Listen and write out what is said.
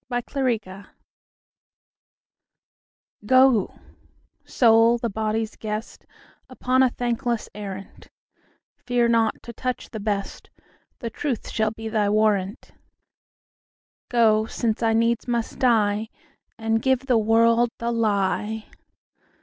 The Lie GO, Soul, the body's guest, Upon a thankless arrant:Fear not to touch the best; The truth shall be thy warrant:Go, since I needs must die, And give the world the lie.